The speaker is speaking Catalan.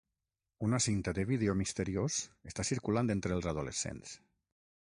Una cinta de vídeo misteriós està circulant entre els adolescents.